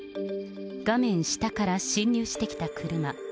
画面下から進入してきた車。